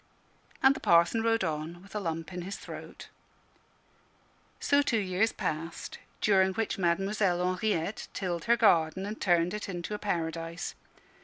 And the Parson rode on with a lump in his throat. So two years passed, during which Mademoiselle Henriette tilled her garden and turned it into a paradise.